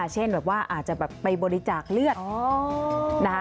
เช่นแบบว่าอาจจะไปบริจาคเลือด